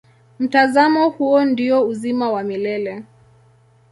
Mtazamo huo ndio uzima wa milele.